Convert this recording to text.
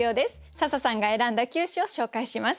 笹さんが選んだ９首を紹介します。